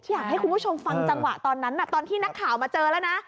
อยากให้คุณผู้ชมฟังจังหวะตอนนั้นตอนที่นักข่าวมาเจอแล้วนะ